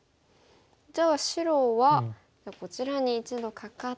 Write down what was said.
じゃあ白はこちらに一度カカって。